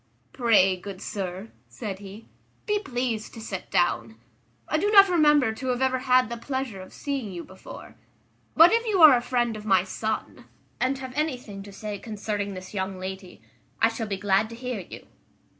"Pray, good sir," said he, "be pleased to sit down. I do not remember to have ever had the pleasure of seeing you before; but if you are a friend of my son, and have anything to say concerning this young lady, I shall be glad to hear you.